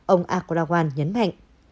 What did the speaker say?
ông agrawal nhấn mạnh